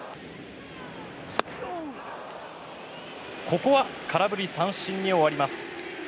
ここは空振り三振に終わります。